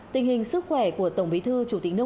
tình hình sức khỏe của tổng bí thư chủ tịch nông nguyễn phúc